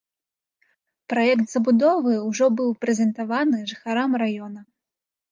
Праект забудовы ўжо быў прэзентаваны жыхарам раёна.